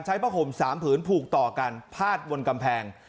ผ้าห่ม๓ผืนผูกต่อกันพาดบนกำแพง